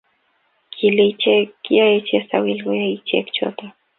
kile icheke kiyei chesawil koyai icheke choto